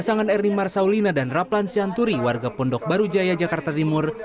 pasangan ernie marsaulina dan raplan syanturi warga pondok baru jaya jakarta timur